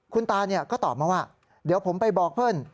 คุณตาก็ตอบมาว่าเดี๋ยวผมไปบอกเพื่อน